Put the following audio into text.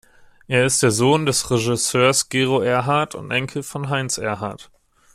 Er ist der Sohn des Regisseurs Gero Erhardt und Enkel von Heinz Erhardt.